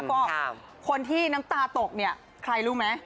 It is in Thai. ก็คนที่น้ำตาตกเนี่ยใครรู้ไหม